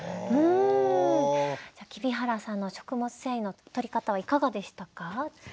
黍原さんの食物繊維のとり方はいかがでしたか？